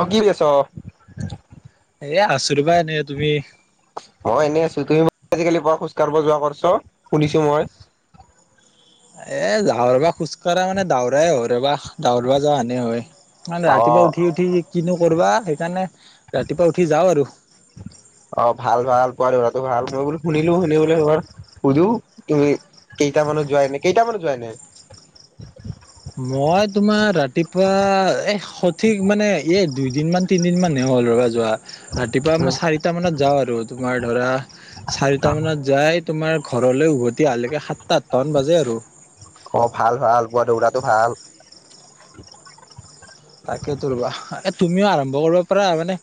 অ কি কৰি আছ [inaudible] এ আছোঁ ৰবা এনে তুমি মই এনেই আছোঁ তুমি আজিকালি পুৱা খোজ কঢ়িব যোৱা কৰিছ শুনিছো মই। এ যাওঁ ৰবা খোজ। খোজ কঢ়া মানে দৌৰাই হয় ৰবা দৌৰাব যানেই হয় মানে অ ৰাতিপুৱা উঠি উঠি কিনো কৰবা সেইকাৰণে। ৰাতিপুৱা উঠি যাওঁ আৰু অ ভাল ভাল পোৱা ভাল মই বোলো শুনিলো শুনি বোলে সুধো তুমি কেইটা মানত যায় নাই কেইটা মানত যোৱা এনেই মই তোমাৰ ৰাতিপুৱা এ সঠিক মানে এ দুইদিন মান তিনদিন মানে হ'ল ৰবা যোৱা। ৰাতিপুৱা মই চাৰিটা মানত যাওঁ আৰু। তোমাৰ ধৰা চাৰিটা মানত যাই। তোমাৰ ঘৰলৈ উভতি আহালৈকে সাতটা আঠটামান বাজে আৰু। অ ভাল ভাল পুৱা দৌৰাটো ভাল তাকে তো ৰবা এ তুমিও আৰম্ভ কৰিব পাৰা মানে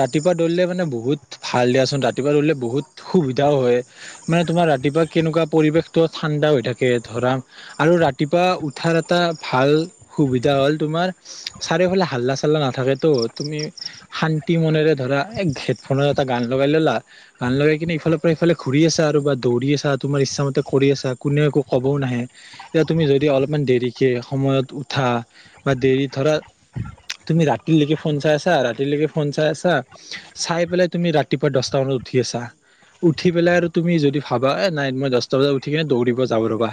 ৰাতিপুৱা দৌৰিলে মানে বহুত ভাল দিয়াচোন ৰাতিপুৱা দৌৰিলে বহুত সুবিধাও হয় মানে তোমাৰ ৰাতিপুৱা কেনেকুৱা পৰিৱেশটো ঠাণ্ডা হৈ থাকে ধৰা আৰু ৰাতিপুৱা উঠাৰ এটা ভাল সুবিধা হ'ল তোমাৰ চাৰিওফালে হাল্লা চাল্লা নাথাকেতো তুমি শান্তি মনেৰে ধৰা এক হেডফোনত এটা গান লগাই ললা গান লগাই কিনি ইফালৰ পৰা ইফালে ঘূৰি আছা আৰু বা দৌৰি আছা তোমাৰ ইচ্ছাামতে কৰি আছা কোনেও একো ক'বও নাহে এতিয়া তুমি যদি অলপমান দেৰিকে সময়ত উঠা বা দেৰি ধৰা তুমি ৰাতিলৈকে ফোন চাই আছা ৰাতিলৈকে ফোন চাই আছা চাই পেলাই তুমি ৰাতিপুৱা দশটা মানত উঠি আছা উঠি পেলাই আৰু তুমি যদি ভাবা এ নাই মই দশটা বজাত উঠি কিনে দৌৰিব যাওঁ ৰ'বা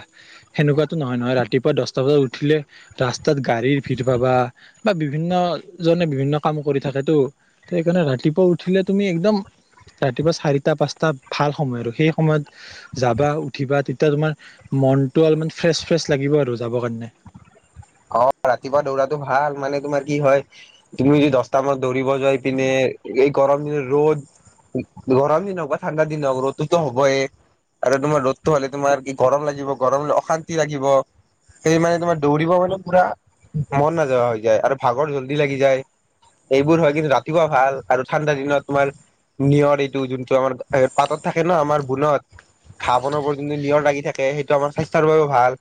সেনেকুৱাতো নহয় নহয় ৰাতিপুৱা দশটা বজাত উঠিলে ৰাস্তাত গাড়ীৰ ভিৰ পাবা বা বিভিন্নজনে বিভিন্ন কাম কৰি থাকেতো সেইকাৰণে ৰাতিপুৱা উঠিলে তুমি একদম ৰাতিপুৱা চাৰিটা পাঁচটা ভাল সময় আৰু সেই সময়ত যাবা উঠিবা তেতিয়া তোমাৰ মনটো অলপমান ফ্ৰেছ ফ্ৰেছ লাগিব আৰু যাব কাৰণে অ ৰাতিপুৱা দৌৰাটো ভাল মানে তোমাৰ কি হয় তুমি যদি দছটা মানত দৌৰিব যাই পিনে এই গৰম দিন ৰ'দ গৰম দিন হওঁক বা ঠাণ্ডা দিন হওঁক ৰ'দটোতো হ'বই আৰু তোমাৰ ৰ'দটো হ'লে তোমাৰ কি গৰম লাগিব গৰম হ অশান্তি লাগিব সেই মানে তোমাৰ দৌৰিব মানে পুৰা মন নাযোৱা হৈ যায় আৰু ভাগৰ জল্দি লাগি যায় এইবোৰ হয় কিন্তু ৰাতিপুৱা ভাল আৰু ঠাণ্ডা দিনত তোমাৰ নিয়ৰ এইটো যোনটো আমাৰ পাতত থাকে ন আমাৰ বোনত ঘাঁ বোনৰ বদোলি নিয়ৰ লাগি থাকে সেইটো আমাৰ স্বাস্থ্যৰ বাবে ভাল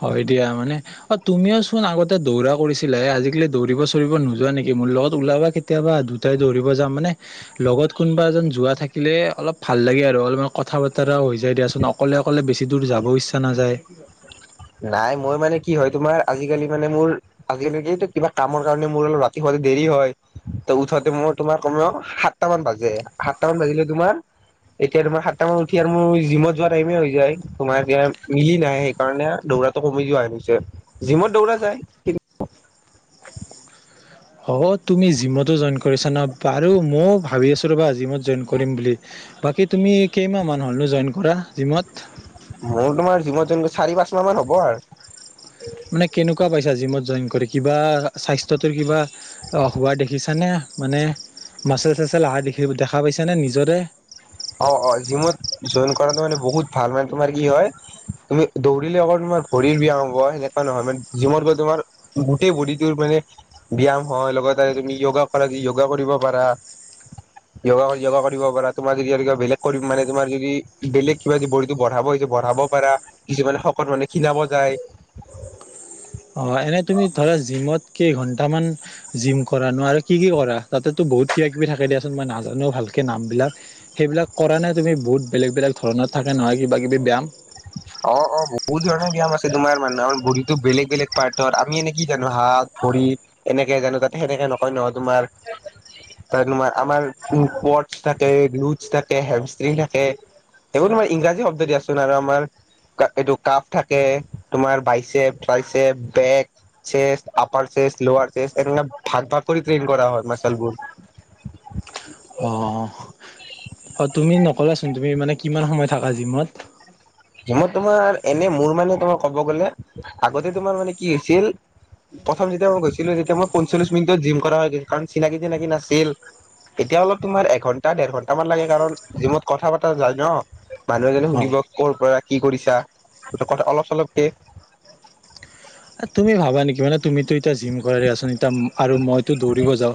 হয় দিয়া মানে অ তুমিও চোন আগতে দৌৰা কৰিছিলা হে আজিকালি দৌৰিব চৌৰিব নোযোৱা নেকি মোৰ লগত ওলাবা কেতিয়াবা দুটাই দৌৰিব যাম মানে লগত কোনোবা এজন যোৱা থাকিলে অলপ ভাল লাগে আৰু অলপমান কথা বতৰা হৈ যায় দিয়াচোন অকলে অকলে বেছি দূৰ যাব ইচ্ছা নাযায় নাই মই মানে কি হয় তোমাৰ আজিকালি মানে মোৰ আজিকালি কিবা কামৰ কাৰণে মোৰ অলপ ৰাতি শুৱাতে দেৰি হয় ত উঠোতে মই তোমাৰ কমেও সাতটা মান বাজে সাতটা মান বাজিলে তোমাৰ এতিয়া তোমাৰ সাতটা মান উঠি আৰু মোৰ জিমত যোৱা টাইম হৈ যায় তোমাৰ এতিয়া মিলি নাহে সেইকাৰণে দৌৰাটো কমি যোৱা হে গৈছে জিমত দৌৰা যায় কি হ'ব তুমি জিমতো জয়েন কৰিছা ন বাৰু ময়ো ভাবি আছোঁ ৰ'বা জিমত জয়েন কৰিম বুলি বাকী তুমি কেইমাহ মান হ'লনো জয়েন কৰা জিমত মোৰ তোমাৰ জীমত জয়েন চাৰি পাঁচ মাহ মান হ'ব আৰু মানে কেনেকুৱা পাইছা জিমত জয়েন কৰি কিবা স্বাস্থ্যটোৰ কিবা হোৱা দেখিছানে মানে মাচেল চাচেল আহা দেখা দেখা পাইছানে নিজৰে অ অ জিমত জয়েন কৰাটো মানে বহুত ভাল মানে তোমাৰ কি হয় তুমি দৌৰিলে অকল তোমাৰ ভৰিৰ ব্যায়াম হ'ব সেনেকুৱা নহয় মানে জিমত গৈ তোমাৰ গোটেই বডিটোৰ মানে ব্যায়াম হয় লগতে তুমি য়োগা কৰা য়োগা কৰিব পাৰা য়ো য়োগা কৰিব পাৰা তোমাৰ কিবা বেলেগ কৰিম মানে তুমাৰ যদি বেলেগ কিবা যদি বডিটো বঢ়াব হৈছে বঢ়াব পাৰা কিছুমানে শকত মানুহে খিনাব যায় অ এনেই তুমি ধৰা জিমত কেইঘন্টামান জিম কৰা নো আৰু কি কি কৰা তাতেতো বহুত কিবা কিবি থাকে দিয়াচোন মই নাজানো ভালকে নামবিলাক সেইবিলাক কৰা নাই তুমি বহুত বেলেগ বেলেগ ধৰণত থাকে নহয় কিবা কিবি ব্যায়াম অ অ বহুত ধৰণৰ ব্যায়াম আছে তোমাৰ মানুহৰ ভৰিতো বেলেগ বেলেগ পাৰ্টত আমি এনে কি জানো হাত ভৰি এনেকে জানো তাতে সেনেকে নকয় নহয় তোমাৰ ত তোমাৰ আমাৰ পৰ্দচ থাকে লুডচ থাকে হেমচটিন থাকে সেইবোৰ তোমাৰ ইংৰাজী শব্দ দিয়াচোন আৰু আমাৰ এই এইটো কাপ থাকে তোমাৰ biceps triceps back chest upper chest lower chest এনে ভাগ ভাগ কৰি ট্ৰেইন কৰা হয় মাচলবোৰ অ অ তুমি নকলাচোন তুমি মানে কিমান সময় থাকা জিমত জিমত তোমাৰ এনে মোৰ মানে তোমাৰ কব গলে আগতে তোমাৰ মানে কি হৈছিল প্ৰথম যেতিয়া মই গৈছিলো তেতিয়া মই পঞ্চল্লিশ মিনিটত জিম কৰা হৈ গৈছিল কাৰণ চিনাকি চিনাকি নাছিল এতিয়া অলপ তোমাৰ এঘন্টা দেৰ ঘন্ট মান লাগে কাৰণ জিমত কথা পাতা যায় ন। মানুহ এজনে অ সুধিব। পৰা কি কৰিছা সটো কথা অলপ চলপকে তুমি ভাবা নেকি মানে? তুমিতো এতিয়া জিম কৰা দাচোন এতিয়া আৰু মইতো দৌৰিব যাওঁ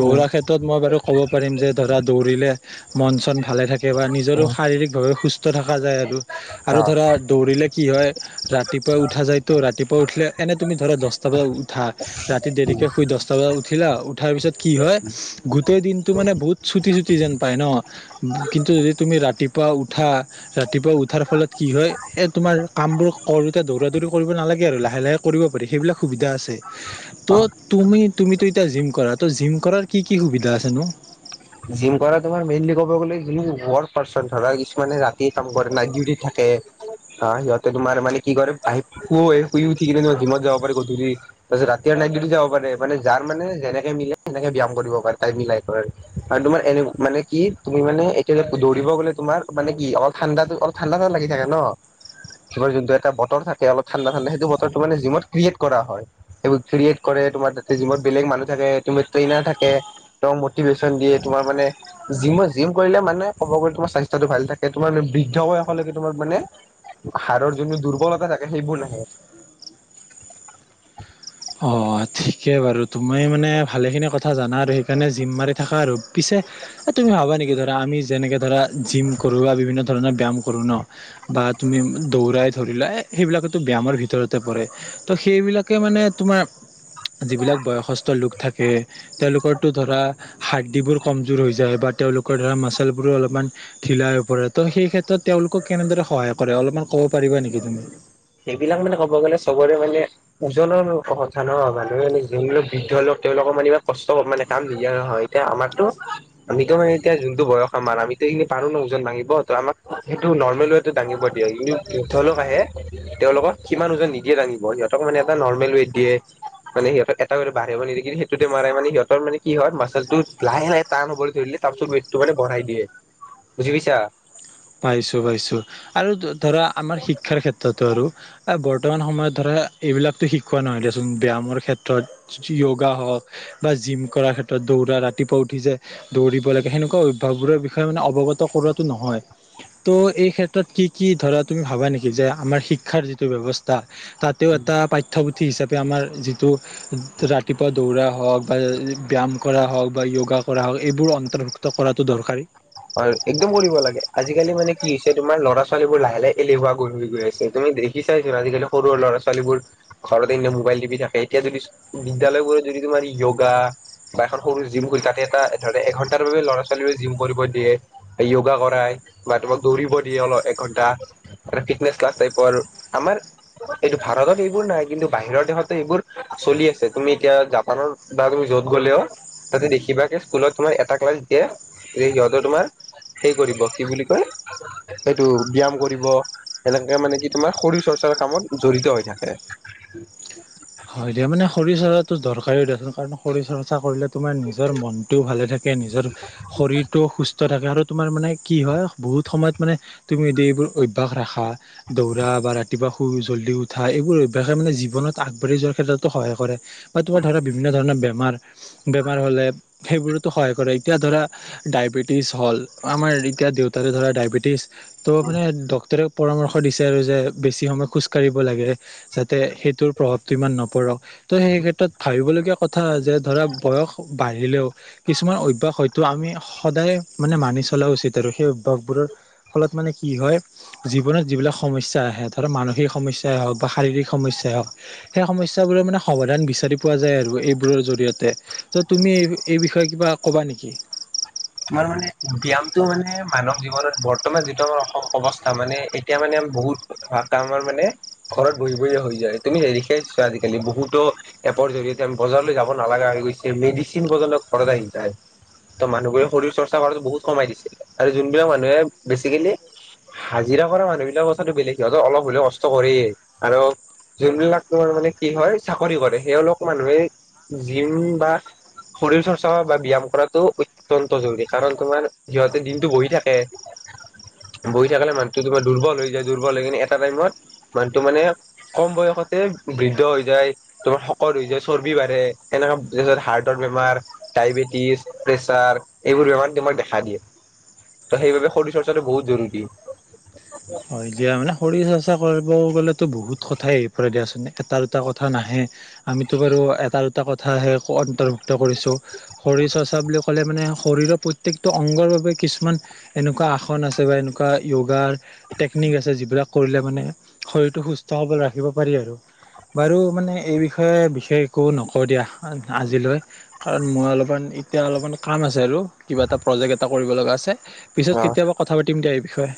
দৌৰাৰ ক্ষেত্ৰত মই বাৰু ক'ব পাৰিম যে ধৰা দৌৰিলে মন চন ভালে থাকে বা নিজৰো অ শাৰীৰিকভাৱে সুস্থ। থকা যায় আৰু, আৰু ধৰা দৌৰিলে কি হয় ৰাতিপুৱাই উঠা যায়তো ৰাতিপুৱা উঠিলে মানে তুমি ধৰা দহটা বজাত উঠা ৰাতি দেৰিকে শুই দহটা বজ উঠিলা উঠাৰ পিছত কি হয় গোটেই দিনটো মানে বহুত চুটি, চুটি যেন পায় ন কিন্তু যদি তুমি ৰাতি পোৱা উঠা? ৰাতিপুৱা উঠাৰ ফলত কি হয় এ তোমাৰ কাম বোৰ কৰোতে দৌৰা, দৌৰি কৰিব নালাগে আৰু লাহে, লাহে পাৰি সবিলাক সুবিধাছে। টো তুমি, তুমি তুই এতিয়া জিম কৰা ত জিম কৰাৰ কি কি সুবিধা আছে নো? জিম কৰা তমাৰ মেইনলি কব গলে য ৱৰ্ক পাৰ্চন ধৰা কিছুমানে ৰাতি কাম কৰে নাইট ডিউটি থাকে সিহঁতে তোমাৰ মানে কি কৰে শে শুই উঠি কিনেম জিমত যাব পাৰে গধূলি তাৰপিছত ৰাতিয় নাইট ডিউটি যাব পাৰে মানে যাৰ মানে যেনেকে মিলাই তেনেকে ব্যায়াম কৰিব পাৰে তাই মিলাই কৰে আৰু তুমাৰ এনে মানে কি তুমি মানে এতিয়া দৌৰিব গলে তোমাৰ মানে কি অলপ ঠাণ্ডাটো অলপ ঠাণ্ডাঠ লাগি থাকে ন তোমাৰ যোনটো এটা বতৰ থাকে অলপ ঠাণ্ডা ঠণ্ডা সেইটো বতৰটো মে জিমত ক্ৰিয়েট কৰা হয় সেইোৰ ক্ৰিয়েট কৰে তোমাৰা জিমত বেলেগ মানুহ থাকে তুম ট্ৰেইনাৰ থাকে টিভেশন দিয়ে তোমাৰানে জিম জিম কৰিলে মানে ক'ব গলে তোমাৰ স্বাস্থ্যটো ভাল থাকে তোমাৰে বৃদ্ধ বলৈকে তোমাৰ মানে হাৰৰ যোন দুৰ্বলতা থাকে সেইবোৰ নাহে। অঁ ঠিকে বাৰু তুমি মানে ভালেখিনি কথা জানা আৰু সেইকাৰণে জিম মাৰি থাকা আৰু পিছে এই তুমি ভাবা নেকি ধৰা আমি যেনেকৈ ধৰা জিম কৰ বিভিন্ন ধৰণৰ ব্যায়াম কৰোঁ ন বা তুমি দৌৰাই ধৰিলা সেইবিলাকোতো ব্যায়ামৰ ভিতৰতে পৰে তো সেইবিলাকে মানে তোমাৰ যিবিলাক বয়সস্থ লোক থাকে তেওঁলোকৰতো ধৰা হাৰ্দিবোৰ কমজোৰ হৈ যায় বা তেওঁলোকৰ ধৰা মাচলবোৰো অলপমান ঢিলা হৈ পৰে ত সেই ক্ষেত্ৰত তেওঁলোকক কেনেদৰে সহায় কৰে অলপমান কব পাৰিবা নেকি তুমি? সেইবিলাক মানে ক'ব গ'লে চবৰে মানে ওজনৰ কথা ন মানুহে যোনবিলাক বৃদ্ধ লোক তেওঁলোকৰ মানে কষ্ট মানে কাম দিয়া নহয় এতিয়া আমাৰতো আমিতো মানে এতিয়া যোনটো বয়স আমাৰ আমিতো এ পাৰো ন ওজন ভাঙিব ত আমাক সেইটো নৰ্মেল হয়টো দাঙিব দিয়ক কিন্তু বৃদ্ধ লোক আহে তেওঁলোকক সিমান ওজন নিদিয়ে দাঙিব সিহঁতক মানেটা নৰ্মেল ৱেট দিয়ে মানে সিহঁত এটা ৱ বাঢ়িব নিদিয়ে কিন্তু সেইটোতে মাৰে মানে সিহঁতৰ মানে কি হয় মাচলটো লাহে লাহে টান হবলৈ ধৰিলে তাৰ পিছত ৱেইটটো মানে বঢ়াই দিয়ে বুজি পাইছা? পাইছোঁ, পাইছোঁ আৰু ধৰা আমাৰ শিক্ষাৰ ক্ষেত্ৰতো আৰু বৰ্তমান সময়ত ধৰা এইবিলাকতো শিকোৱা নহয় দেচোন ব্যায়ামৰ ক্ষেত্ৰত য়োগা হওক বা জিম কৰাৰ ক্ষেত্ৰত দৌৰা ৰাতিপুৱা উঠি যে দৌৰিব লাগে সেনেকুৱা অভ্যাসবোৰৰ বিষয়ে মানে অৱগত কৰোৱাটো নহয়। ত এই ক্ষেত্ৰত কি কি ধৰা তুমি ভাবা নেকি যে আমাৰ শিক্ষাৰ যিটো ব্যৱস্থা তাতেও এটা পাঠ্যপুথি থি হিচাপে আমাৰ যিটো ৰাতিপুৱা দৌৰা হওক বা ব্যায়াম কৰা হওক বা য়োগা কৰা হওক এইবোৰ অন্তৰ্ভুক্ত কৰাটো দৰকাৰী। অ' একদম কৰিব লাগে আজিকালি মানে কি হৈছে তোমাৰ ল'ৰা, ছোৱালীবোৰ লাহে লাহে এলেহুৱা হৈ গৈ আছে তুমি দেখি চাইছোন আজিকালি সৰু ল'ৰা, ছোৱালীবোৰ ঘৰত এনে মোবাইল টিপি থাকে এতিয়া যদি বিদ্যলয়বোৰত যদি তোমাৰ য়োগা বা এখন সৰু জিম কৰি তাতে এটা ধ এঘন্টাৰ বাবে ল'ৰা ছোৱালী বোৰে জিম কৰিব দিয়ে য়োগা কৰায় বা তোমাক দৌৰিব দিয়ে অলপ এঘন্টা ফিটনেচ ক্লাছ টাইপৰ আমাৰ এইটো ভাৰতত এইবোৰ নাই কিন্তু বাহিৰৰ দেশতো এইবোৰ চলি আছে তুমি এতিয়া জাপানত বা তুমি যত গ'লেও তাতে দেখিবা স্কুলত তোমাৰ এটা ক্লাছ দিয়ে যে সিহঁত তোমাৰ সেই কৰিব কি বুলি কয় এইটো ব্যয়াম কৰিব সেনেকে মানে কি তোমাৰ শৰীৰ চৰ্চাৰ কামত জড়িত হৈ থাকে। হয় দিয়া মানে শৰীৰ চৰ্চাত তো দৰকাৰী দেচোন কাৰণ শৰীৰ চৰ্চা কৰিলে তোমাৰ নিজৰ মনটোও ভালে থাকে নিজৰ শৰীৰটোও সুস্থ থাকে আৰু তোমাৰ মানে কি হয়, বহুত সময়ত মানে তুমি যদি এইবোৰ অভ্যাস ৰাখা, দৌৰা বা ৰাতিপুৱা শুই জল্ডি উঠা, এইবোৰ অভ্যাসে মানে জীৱনত আগ যোৱাৰ ক্ষেত্ৰতো সহায় কৰে। বা তোমাৰ ধৰা বিভিন্ন ধৰণৰ বেম বেমাৰ, বেমাৰ হ'লে সেইবোৰতো সহায় কৰে। এতিয়া ধৰা ডায়েবেটিছ হ'ল, আমাৰ এতিয়া দেউতাৰে ধৰা ডায়বেটিছ ত' মানে ডক্টৰে পৰামৰ্শ দিছে আৰু যে বেছি সময় খোজকাাঢ়িব লাগে, যাতে সেইটোৰ প্ৰভাৱটো ইমান নপৰক। ত' সেই ক্ষেত্ৰত ভাবিবলগীয়া কথা যে ধৰা, বয়স বাঢ়িলেও কিছুমান অভ্যাস হয়তো আমি সদায় মানে মানি চলা উচিত আৰু সেই স বোৰৰ ফলত মানে কি হয় জীৱনত যিবিলাক সমস্যা আহে, ধৰা মানসিক সমস্যাই হওঁক বা শাৰীৰিক সমস্যাই হওঁক সেই সমস্যাবোৰৰ মানে সমাধান বিচাৰি পোৱা যায় আৰু এইবোৰৰ জৰিয়তে ত' তুমি এই বিষয়ে কিবা ক'বা নেকি তমাৰ মানে ব্যায়ামটো মানে মানৱ জীৱনত বৰ্তমান যিটো আমাৰ অৱছথা, মানে এতিয়া মানে বহুত ভ আমাৰ মানে, ঘৰত বহি বহিয়ে হৈ যায়। তুমি হেখাইছ আজিকালি, বহুতো এপৰ জৰিয়তে আমি বজাৰলৈ যাব নালগা হৈ গৈছে, মেডিচিন পৰ্যন্ত ঘৰত আহি যায়, ত মানুহবোৰে শৰীৰ চৰ্চা কৰাতো বহুত কমাই দিছে। আৰু যোনবিলাক মানুহে বেচিকেলি, হাজিৰা কৰা মানুহবিলাকৰ কথাটো বেলেগ, সিহঁত অলপ হলেও কষ্ট কৰেই, আৰু যোনবিলাকৰ মানে কি হয় চাকৰি কৰে, এওলোক মানুহে জিম বা শৰীৰ চৰ্চা বা ব্যায়াম কৰাটো অত্যন্ত জৰুৰী। কাৰণ তোমাৰ সিহঁতে দিনটো বহি থাকে, বহি থাকিলে মানুহটো তোমাৰ দুৰ্বল হৈ যায়। দুৰ্বল হৈ কিনে এটা টাইমত মানুহটো মানে কম বয়সতে বৃদ্ধ হৈ যায়, তোমাৰ শকত হৈ যায়, চৰ্বি বাঢ়ে, এনেকুৱা হাৰ্টৰ বেমাৰ, ডায়বেটিছ, প্ৰেচাৰ এইবোৰ বেমাৰ তোমাক দেখা দিয়ে। ত' সেইবাবে শৰীৰ চৰ্চাটো বহুত জৰুৰী। হয় দিয়া। মানে শৰীৰ চৰ্চা চা কৰিব গ'লেতো বহুত কথাই আহি পৰে দিয়াচোন, এটা দুটা কথা নাহে। আমিটো বাৰু এটা এটা কথা সে অন্তৰ্ভুক্ত কৰিছোঁ, শৰীৰ চৰ্চা বুলি ক'লে মানে শৰীৰৰ প্ৰত্যেকটো অংগৰ বাবে কিছুমান এনেকুৱা আসন আছে বা, এনেকুৱা য়োগাৰ টেকনিক আছে যিবিলাক কৰিলে মানে শৰীৰটো সুস্থ সবল ৰাখিব পাৰি আৰু। বাৰু মানে এই বিষয়ে বিশেষ একো নকওঁ দিয়া আজিলৈ, কাৰণ মই অলপমান এতিয়া অলপমান কাম আছে আৰু, কিবা এটা প্ৰজেক্ট এটা কৰিব লগা আছে। পিছত অ কেতিয়াবা কথা পাতিম দে এই বি নি্চয়।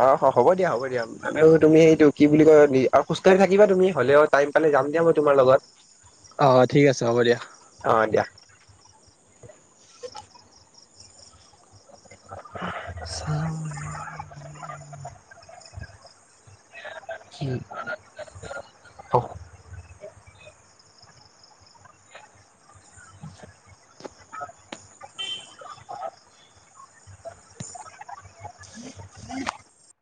অ হ'ব দিয়া, হ'ব দিয়া, আৰু তুমি সেইটো, কি বুলি কয়, খোজকাঢ়ি থাকিবা তুমি হ'লেও টাইম পালে যাম দিয়া মই তোমাৰ লগত। অঁ ঠিক আছে হ'ব দিয়া। অ [inaudible] চাওঁ [unintelligible] কি অ [inaudible] হয় [unintelligible] উ।